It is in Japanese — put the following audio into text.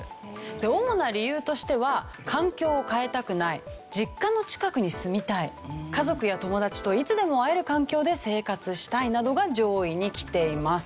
主な理由としては環境を変えたくない実家の近くに住みたい家族や友達といつでも会える環境で生活したいなどが上位にきています。